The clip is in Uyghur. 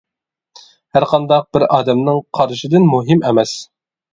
ھەر قانداق بىر ئادەمنىڭ قارشىدىن مۇھىم ئەمەس.